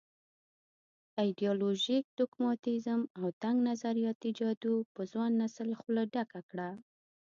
ایډیالوژيک ډوګماتېزم او تنګ نظریاتي جادو په ځوان نسل خوله ډکه کړه.